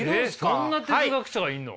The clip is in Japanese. そんな哲学者がいるの？